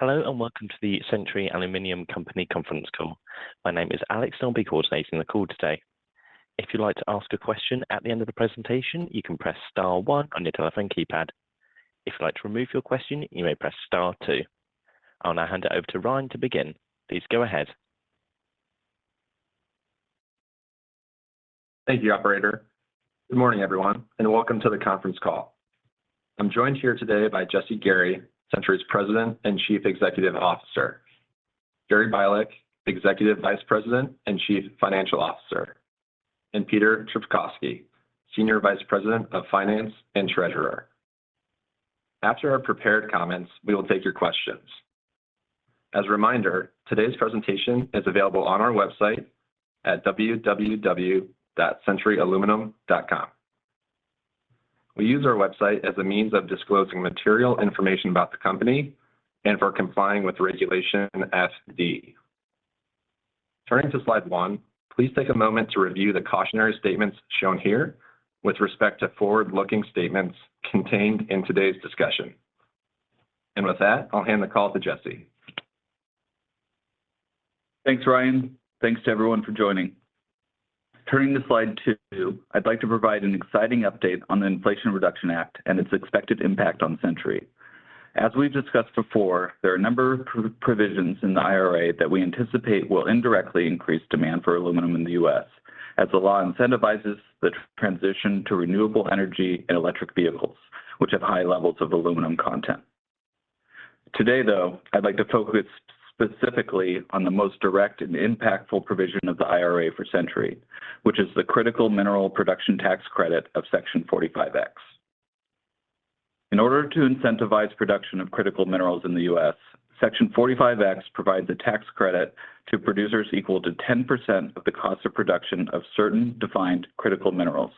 Hello, and welcome to the Century Aluminum Company conference call. My name is Alex, and I'll be coordinating the call today. If you'd like to ask a question at the end of the presentation, you can press star one on your telephone keypad. If you'd like to remove your question, you may press star two. I'll now hand it over to Ryan to begin. Please go ahead. Thank you, operator. Good morning, everyone, and welcome to the conference call. I'm joined here today by Jesse Gary, Century's President and Chief Executive Officer; Jerry Bialek, Executive Vice President and Chief Financial Officer; and Peter Trpkovski, Senior Vice President of Finance and Treasurer. After our prepared comments, we will take your questions. As a reminder, today's presentation is available on our website at www.centuryaluminum.com. We use our website as a means of disclosing material information about the company and for complying with Regulation FD. Turning to slide one, please take a moment to review the cautionary statements shown here with respect to forward-looking statements contained in today's discussion. And with that, I'll hand the call to Jesse. Thanks, Ryan. Thanks to everyone for joining. Turning to slide 2, I'd like to provide an exciting update on the Inflation Reduction Act and its expected impact on Century. As we've discussed before, there are a number of provisions in the IRA that we anticipate will indirectly increase demand for aluminum in the U.S., as the law incentivizes the transition to renewable energy and electric vehicles, which have high levels of aluminum content. Today, though, I'd like to focus specifically on the most direct and impactful provision of the IRA for Century, which is the critical mineral production tax credit of Section 45X. In order to incentivize production of critical minerals in the U.S., Section 45X provides a tax credit to producers equal to 10% of the cost of production of certain defined critical minerals,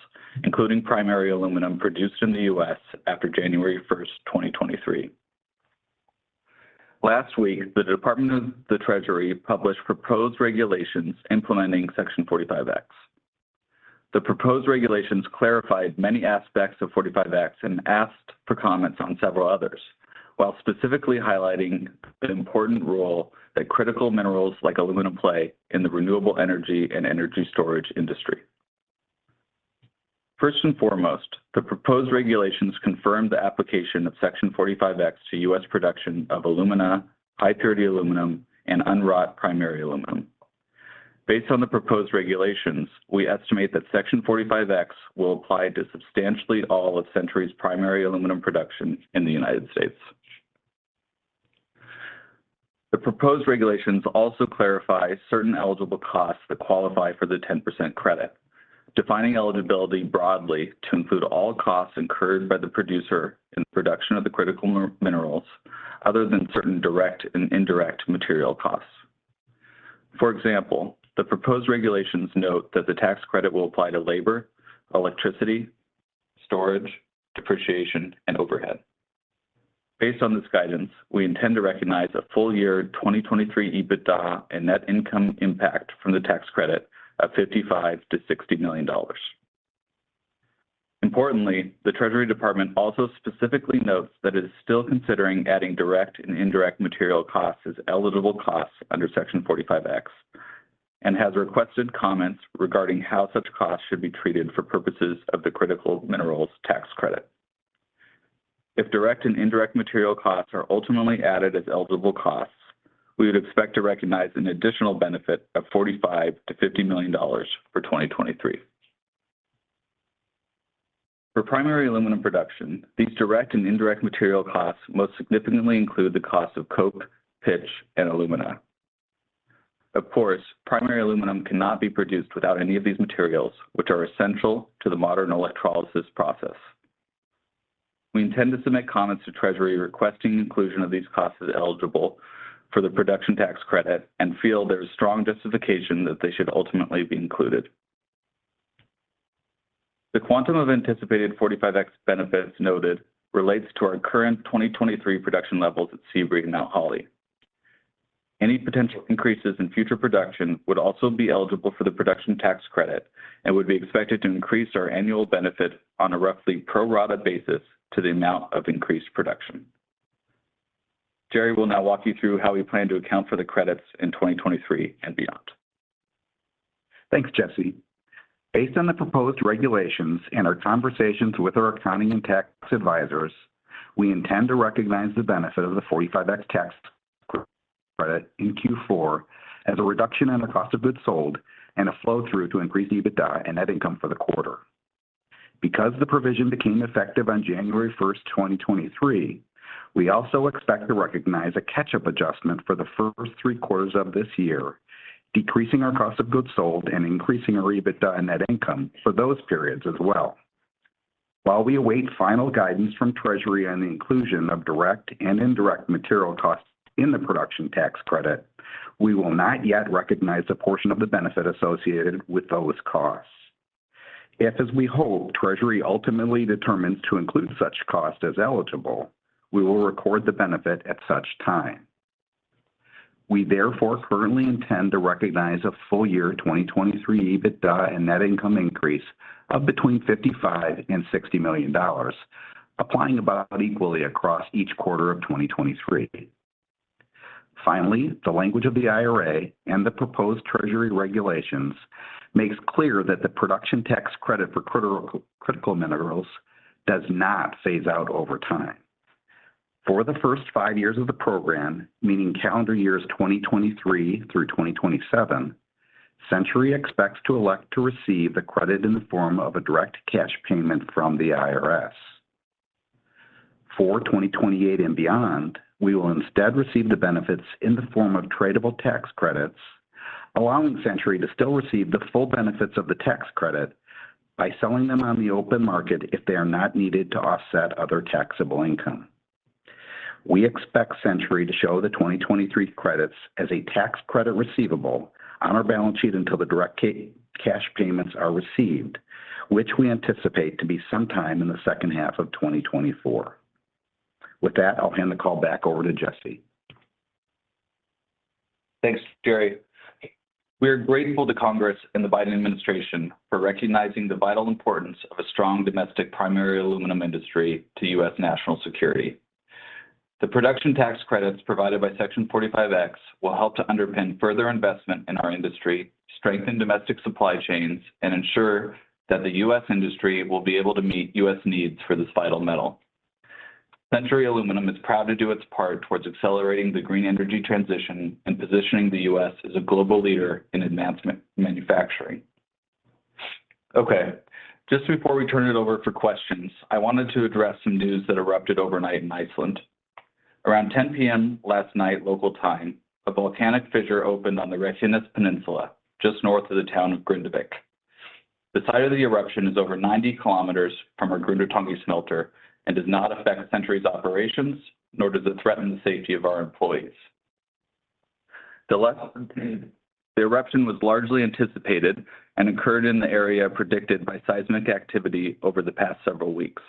including primary aluminum produced in the U.S. after January 1, 2023. Last week, the Department of the Treasury published proposed regulations implementing Section 45X. The proposed regulations clarified many aspects of 45X and asked for comments on several others, while specifically highlighting the important role that critical minerals like aluminum play in the renewable energy and energy storage industry. First and foremost, the proposed regulations confirmed the application of Section 45X to U.S. production of alumina, high-purity aluminum, and unwrought primary aluminum. Based on the proposed regulations, we estimate that Section 45X will apply to substantially all of Century's primary aluminum production in the United States. The proposed regulations also clarify certain eligible costs that qualify for the 10% credit, defining eligibility broadly to include all costs incurred by the producer in production of the critical minerals, other than certain direct and indirect material costs. For example, the proposed regulations note that the tax credit will apply to labor, electricity, storage, depreciation, and overhead. Based on this guidance, we intend to recognize a full year 2023 EBITDA and net income impact from the tax credit of $55 million-$60 million. Importantly, the Treasury Department also specifically notes that it is still considering adding direct and indirect material costs as eligible costs under Section 45X, and has requested comments regarding how such costs should be treated for purposes of the critical minerals tax credit. If direct and indirect material costs are ultimately added as eligible costs, we would expect to recognize an additional benefit of $45 million-$50 million for 2023. For primary aluminum production, these direct and indirect material costs most significantly include the costs of coke, pitch, and alumina. Of course, primary aluminum cannot be produced without any of these materials, which are essential to the modern electrolysis process. We intend to submit comments to Treasury requesting inclusion of these costs as eligible for the production tax credit and feel there is strong justification that they should ultimately be included. The quantum of anticipated 45X benefits noted relates to our current 2023 production levels at Sebree and Mount Holly. Any potential increases in future production would also be eligible for the production tax credit and would be expected to increase our annual benefit on a roughly pro rata basis to the amount of increased production. Jerry will now walk you through how we plan to account for the credits in 2023 and beyond. Thanks, Jesse. Based on the proposed regulations and our conversations with our accounting and tax advisors, we intend to recognize the benefit of the 45X tax credit in Q4 as a reduction in the cost of goods sold and a flow-through to increase EBITDA and net income for the quarter. Because the provision became effective on January first, 2023, we also expect to recognize a catch-up adjustment for the first three quarters of this year, decreasing our cost of goods sold and increasing our EBITDA and net income for those periods as well. While we await final guidance from Treasury on the inclusion of direct and indirect material costs in the production tax credit, we will not yet recognize the portion of the benefit associated with those costs. If, as we hope, Treasury ultimately determines to include such costs as eligible, we will record the benefit at such time.... We therefore currently intend to recognize a full year 2023 EBITDA and net income increase of between $55 million and $60 million, applying about equally across each quarter of 2023. Finally, the language of the IRA and the proposed Treasury regulations makes clear that the production tax credit for critical minerals does not phase out over time. For the first five years of the program, meaning calendar years 2023 through 2027, Century expects to elect to receive the credit in the form of a direct cash payment from the IRS. For 2028 and beyond, we will instead receive the benefits in the form of tradable tax credits, allowing Century to still receive the full benefits of the tax credit by selling them on the open market if they are not needed to offset other taxable income. We expect Century to show the 2023 credits as a tax credit receivable on our balance sheet until the direct cash payments are received, which we anticipate to be sometime in the second half of 2024. With that, I'll hand the call back over to Jesse. Thanks, Jerry. We are grateful to Congress and the Biden administration for recognizing the vital importance of a strong domestic primary aluminum industry to U.S. national security. The production tax credits provided by Section 45X will help to underpin further investment in our industry, strengthen domestic supply chains, and ensure that the U.S. industry will be able to meet U.S. needs for this vital metal. Century Aluminum is proud to do its part towards accelerating the green energy transition and positioning the U.S. as a global leader in advanced manufacturing. Okay, just before we turn it over for questions, I wanted to address some news that erupted overnight in Iceland. Around 10 P.M. last night, local time, a volcanic fissure opened on the Reykjanes Peninsula, just north of the town of Grindavík. The site of the eruption is over 90 kilometers from our Grundartangi smelter and does not affect Century's operations, nor does it threaten the safety of our employees. The eruption was largely anticipated and occurred in the area predicted by seismic activity over the past several weeks.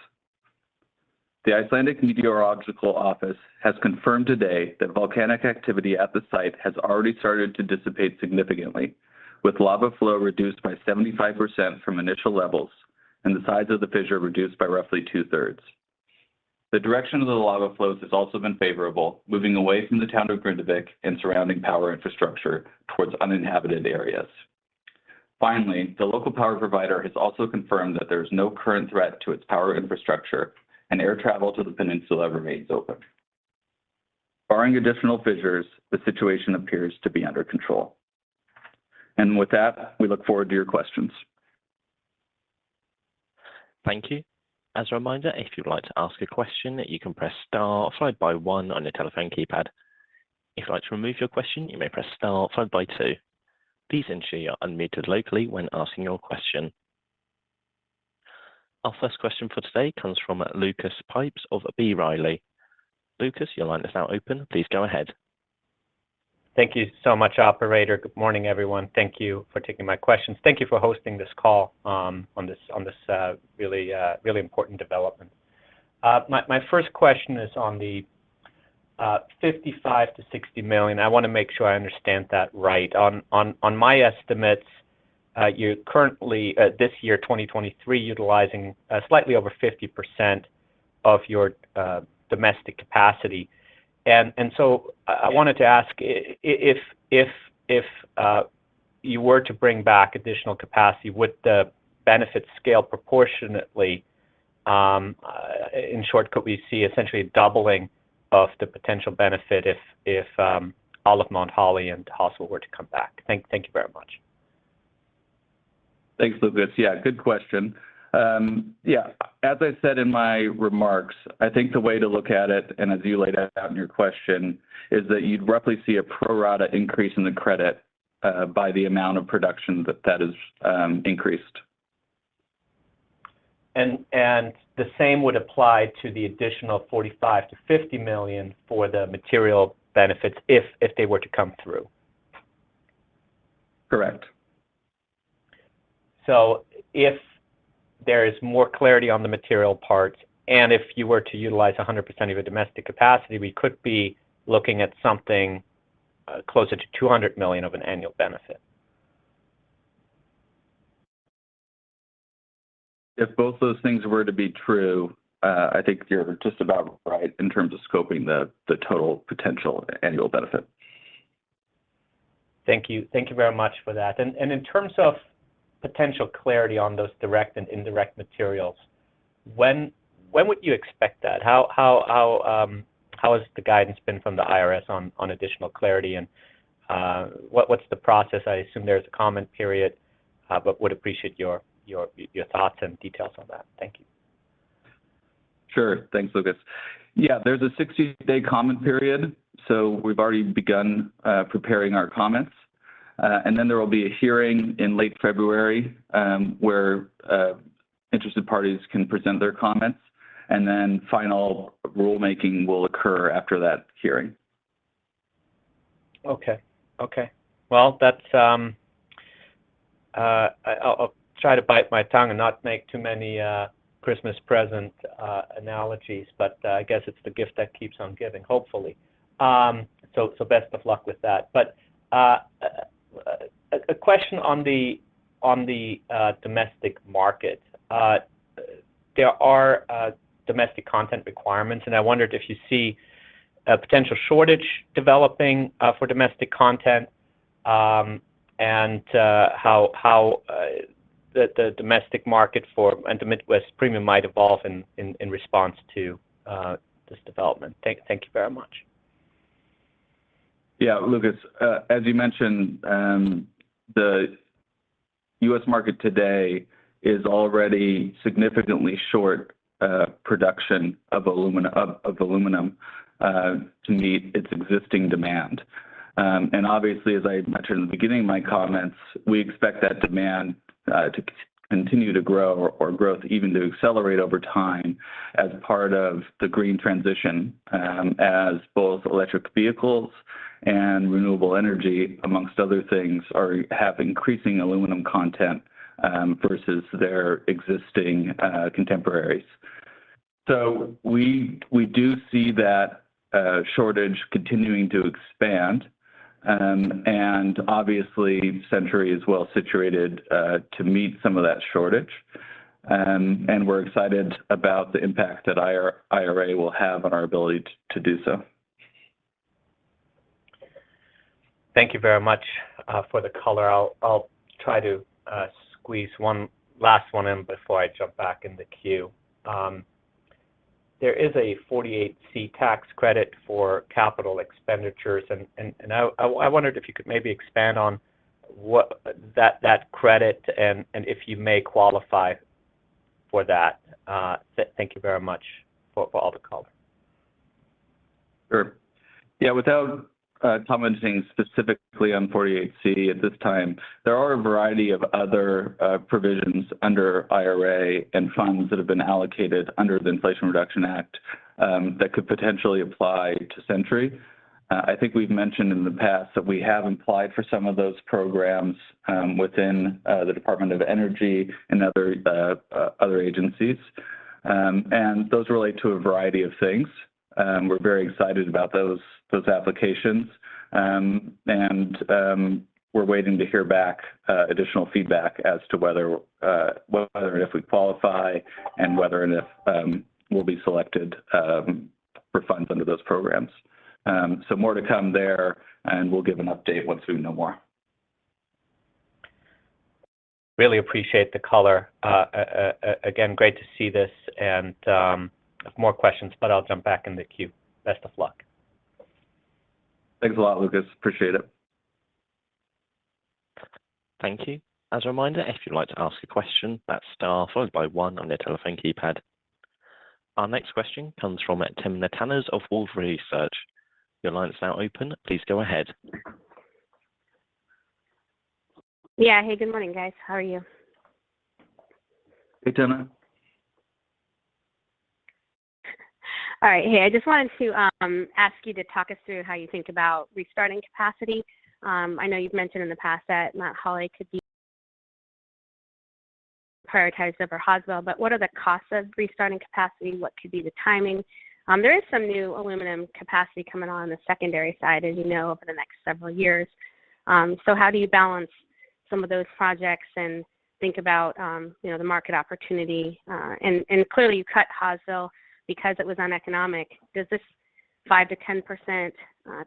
The Icelandic Meteorological Office has confirmed today that volcanic activity at the site has already started to dissipate significantly, with lava flow reduced by 75% from initial levels and the size of the fissure reduced by roughly two-thirds. The direction of the lava flows has also been favorable, moving away from the town of Grindavík and surrounding power infrastructure towards uninhabited areas. Finally, the local power provider has also confirmed that there is no current threat to its power infrastructure, and air travel to the peninsula remains open. Barring additional fissures, the situation appears to be under control. With that, we look forward to your questions. Thank you. As a reminder, if you'd like to ask a question, you can press star followed by one on your telephone keypad. If you'd like to remove your question, you may press star followed by two. Please ensure you are unmuted locally when asking your question. Our first question for today comes from Lucas Pipes of B. Riley. Lucas, your line is now open. Please go ahead. Thank you so much, operator. Good morning, everyone. Thank you for taking my questions. Thank you for hosting this call on this really important development. My first question is on the $55 million-$60 million. I want to make sure I understand that right. On my estimates, you're currently this year, 2023, utilizing slightly over 50% of your domestic capacity. And so I wanted to ask if you were to bring back additional capacity, would the benefit scale proportionately? In short, could we see essentially a doubling of the potential benefit if all of Mount Holly and Hawesville were to come back? Thank you very much. Thanks, Lucas. Yeah, good question. Yeah, as I said in my remarks, I think the way to look at it, and as you laid it out in your question, is that you'd roughly see a pro rata increase in the credit, by the amount of production that is increased. And the same would apply to the additional $45 million-$50 million for the material benefits if they were to come through? Correct. If there is more clarity on the material parts, and if you were to utilize 100% of your domestic capacity, we could be looking at something closer to $200 million of an annual benefit. If both those things were to be true, I think you're just about right in terms of scoping the total potential annual benefit. Thank you. Thank you very much for that. And in terms of potential clarity on those direct and indirect materials, when would you expect that? How has the guidance been from the IRS on additional clarity and what's the process? I assume there's a comment period, but would appreciate your thoughts and details on that. Thank you. Sure. Thanks, Lucas. Yeah, there's a 60-day comment period, so we've already begun preparing our comments. Then there will be a hearing in late February, where interested parties can present their comments, and then final rulemaking will occur after that hearing. Okay. Okay. Well, that's I’ll try to bite my tongue and not make too many Christmas present analogies, but I guess it's the gift that keeps on giving, hopefully. So best of luck with that. But a question on the domestic market. There are domestic content requirements, and I wondered if you see a potential shortage developing for domestic content, and how the domestic market for and the Midwest Premium might evolve in response to this development. Thank you very much. Yeah, Lucas, as you mentioned, the U.S. market today is already significantly short production of aluminum to meet its existing demand. And obviously, as I mentioned in the beginning of my comments, we expect that demand to continue to grow or grow, even to accelerate over time as part of the green transition, as both electric vehicles and renewable energy, amongst other things, have increasing aluminum content versus their existing contemporaries. So we do see that shortage continuing to expand. And obviously, Century is well-situated to meet some of that shortage. And we're excited about the impact that IRA will have on our ability to do so. Thank you very much for the color. I'll, I'll try to squeeze one last one in before I jump back in the queue. There is a 48C tax credit for capital expenditures, and I wondered if you could maybe expand on what that credit and if you may qualify for that. Thank you very much for all the color. Sure. Yeah, without commenting specifically on 48C at this time, there are a variety of other provisions under IRA and funds that have been allocated under the Inflation Reduction Act that could potentially apply to Century. I think we've mentioned in the past that we have applied for some of those programs within the Department of Energy and other agencies. And those relate to a variety of things, and we're very excited about those applications. And we're waiting to hear back additional feedback as to whether or if we qualify and whether and if we'll be selected for funds under those programs. So more to come there, and we'll give an update once we know more. Really appreciate the color. Again, great to see this and more questions, but I'll jump back in the queue. Best of luck. Thanks a lot, Lucas. Appreciate it. Thank you. As a reminder, if you'd like to ask a question, that's star followed by one on your telephone keypad. Our next question comes from Timna Tanners of Wolfe Research. Your line is now open. Please go ahead. Yeah. Hey, good morning, guys. How are you? Hey, Timna. All right. Hey, I just wanted to ask you to talk us through how you think about restarting capacity. I know you've mentioned in the past that Mount Holly could be prioritized over Hawesville, but what are the costs of restarting capacity? What could be the timing? There is some new aluminum capacity coming on the secondary side, as you know, over the next several years. So how do you balance some of those projects and think about, you know, the market opportunity? And clearly, you cut Hawesville because it was uneconomic. Does this 5%-10%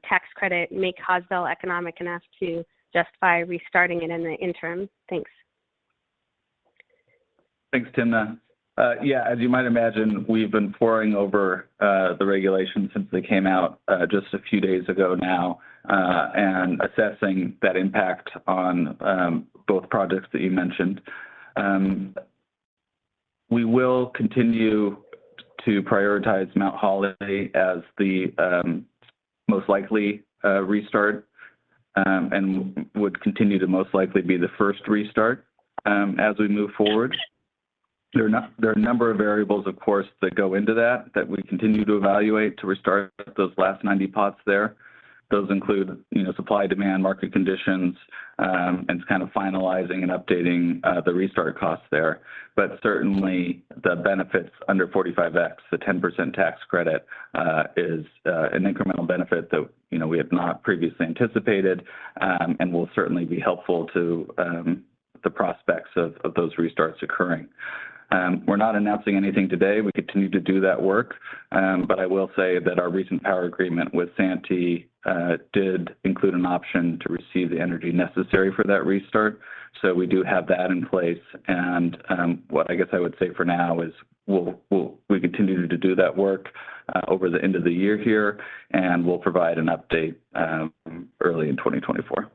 tax credit make Hawesville economic enough to justify restarting it in the interim? Thanks. Thanks, Timna. Yeah, as you might imagine, we've been poring over the regulations since they came out just a few days ago now, and assessing that impact on both projects that you mentioned. We will continue to prioritize Mount Holly as the most likely restart and would continue to most likely be the first restart. As we move forward, there are a number of variables, of course, that go into that that we continue to evaluate to restart those last 90 pots there. Those include, you know, supply, demand, market conditions, and kind of finalizing and updating the restart costs there. Certainly, the benefits under 45X, the 10% tax credit, is an incremental benefit that, you know, we have not previously anticipated, and will certainly be helpful to the prospects of those restarts occurring. We're not announcing anything today. We continue to do that work. But I will say that our recent power agreement with Santee Cooper did include an option to receive the energy necessary for that restart. So we do have that in place. What I guess I would say for now is we continue to do that work over the end of the year here, and we'll provide an update early in 2024.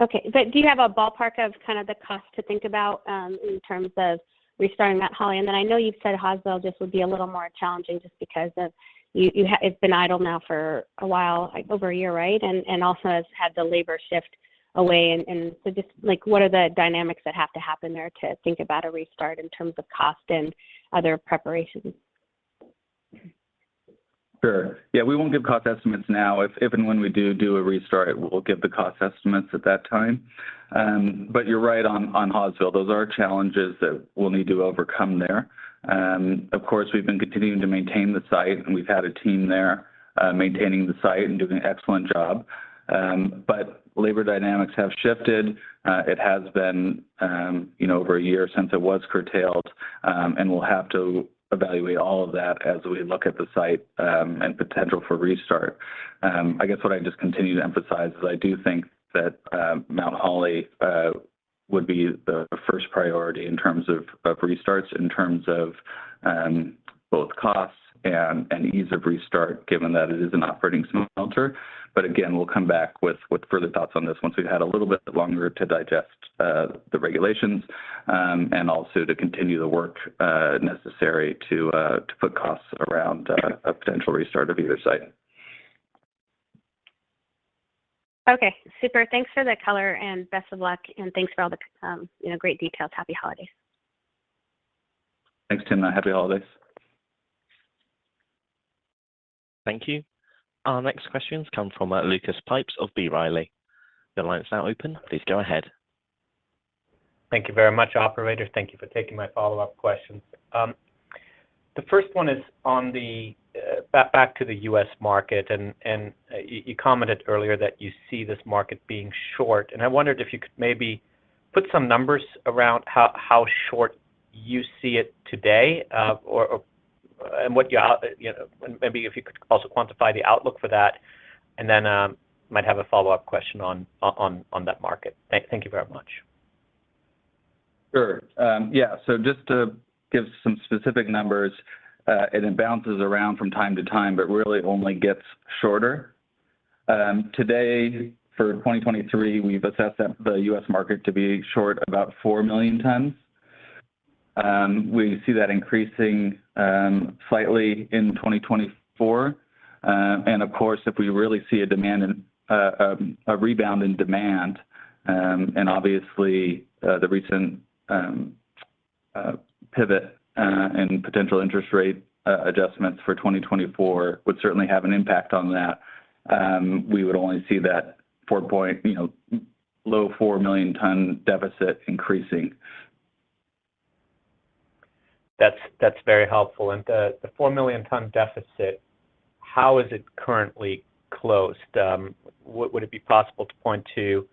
Okay. But do you have a ballpark of kind of the cost to think about in terms of restarting Mount Holly? And then I know you've said Hawesville just would be a little more challenging just because of you, it's been idle now for a while, like over a year, right? And so just, like, what are the dynamics that have to happen there to think about a restart in terms of cost and other preparations?... Sure. Yeah, we won't give cost estimates now. If and when we do a restart, we'll give the cost estimates at that time. But you're right on Hawesville. Those are challenges that we'll need to overcome there. Of course, we've been continuing to maintain the site, and we've had a team there maintaining the site and doing an excellent job. But labor dynamics have shifted. It has been, you know, over a year since it was curtailed, and we'll have to evaluate all of that as we look at the site and potential for restart. I guess what I'd just continue to emphasize is I do think that Mount Holly would be the first priority in terms of restarts, in terms of both costs and ease of restart, given that it is an operating smelter. But again, we'll come back with further thoughts on this once we've had a little bit longer to digest the regulations and also to continue the work necessary to put costs around a potential restart of either site. Okay. Super. Thanks for the color, and best of luck, and thanks for all the, you know, great details. Happy holidays. Thanks, Timna. Happy holidays. Thank you. Our next questions come from, Lucas Pipes of B. Riley. Your line's now open. Please go ahead. Thank you very much, operator. Thank you for taking my follow-up questions. The first one is on the back to the U.S. market, and you commented earlier that you see this market being short, and I wondered if you could maybe put some numbers around how short you see it today, or... And what you're, you know, and maybe if you could also quantify the outlook for that, and then, might have a follow-up question on that market. Thank you very much. Sure. Yeah, so just to give some specific numbers, and it bounces around from time to time, but really only gets shorter. Today, for 2023, we've assessed that the U.S. market to be short about 4 million tons. We see that increasing slightly in 2024. And of course, if we really see a rebound in demand, and obviously the recent pivot and potential interest rate adjustments for 2024 would certainly have an impact on that. We would only see that 4-point, you know, low 4 million ton deficit increasing. That's very helpful. And the 4-million-ton deficit, how is it currently closed? Would it be possible to point to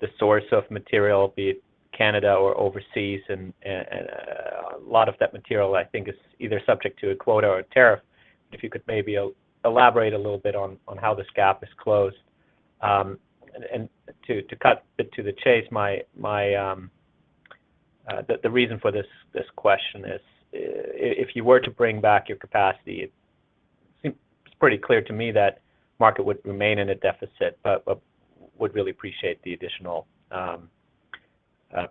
the source of material, be it Canada or overseas? And a lot of that material, I think, is either subject to a quota or a tariff. If you could maybe elaborate a little bit on how this gap is closed. And to cut to the chase, the reason for this question is if you were to bring back your capacity, it's pretty clear to me that market would remain in a deficit, but would really appreciate the additional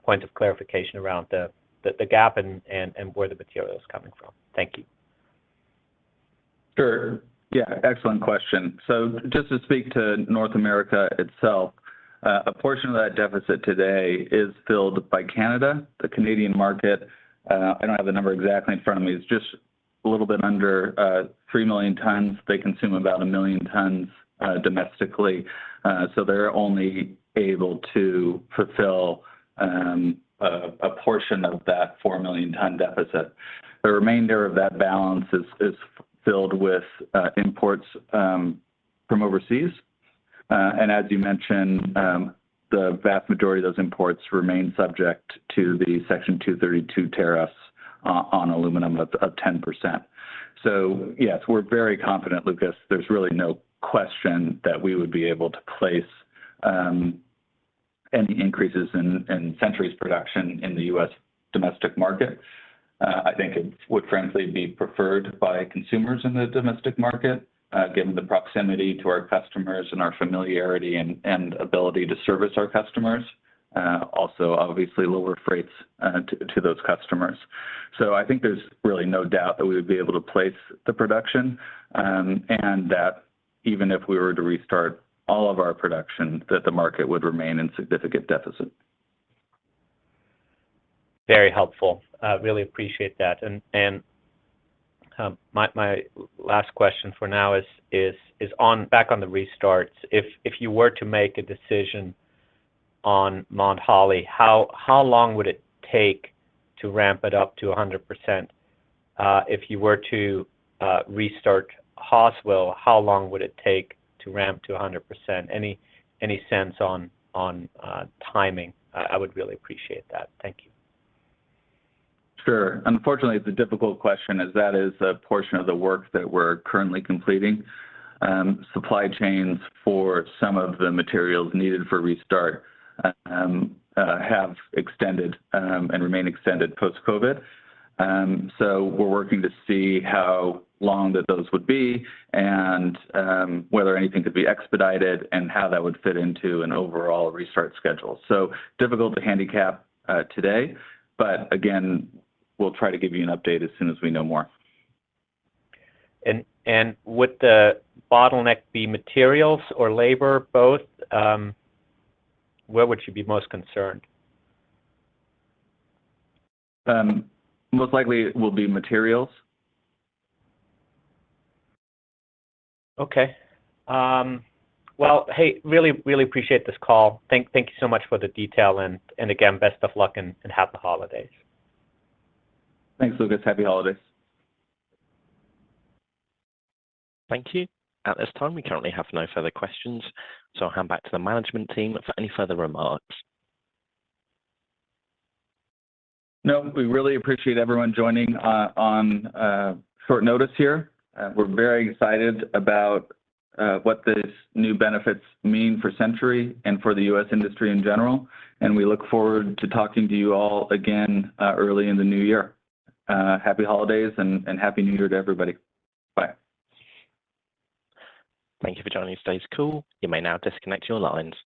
point of clarification around the gap and where the material is coming from. Thank you. Sure. Yeah, excellent question. So just to speak to North America itself, a portion of that deficit today is filled by Canada. The Canadian market, I don't have the number exactly in front of me. It's just a little bit under three million tons. They consume about a million tons domestically, so they're only able to fulfill a portion of that 4 million ton deficit. The remainder of that balance is filled with imports from overseas. And as you mentioned, the vast majority of those imports remain subject to the Section 232 tariffs on aluminum of 10%. So yes, we're very confident, Lucas. There's really no question that we would be able to place any increases in Century's production in the U.S. domestic market. I think it would frankly be preferred by consumers in the domestic market, given the proximity to our customers and our familiarity and ability to service our customers. Also, obviously, lower freights to those customers. So I think there's really no doubt that we would be able to place the production, and that even if we were to restart all of our production, that the market would remain in significant deficit. Very helpful. I really appreciate that. And my last question for now is back on the restarts. If you were to make a decision on Mount Holly, how long would it take to ramp it up to 100%? If you were to restart Hawesville, how long would it take to ramp to 100%? Any sense on timing? I would really appreciate that. Thank you. Sure. Unfortunately, it's a difficult question as that is a portion of the work that we're currently completing. Supply chains for some of the materials needed for restart have extended and remain extended post-COVID. So we're working to see how long that those would be and whether anything could be expedited and how that would fit into an overall restart schedule. So difficult to handicap today, but again, we'll try to give you an update as soon as we know more. Would the bottleneck be materials or labor, both? Where would you be most concerned? Most likely it will be materials. Okay. Well, hey, really, really appreciate this call. Thank you so much for the detail, and again, best of luck and happy holidays. Thanks, Lucas. Happy holidays. Thank you. At this time, we currently have no further questions, so I'll hand back to the management team for any further remarks. No, we really appreciate everyone joining on short notice here. We're very excited about what these new benefits mean for Century and for the U.S. industry in general, and we look forward to talking to you all again early in the new year. Happy holidays and happy New Year to everybody. Bye. Thank you for joining today's call. You may now disconnect your lines.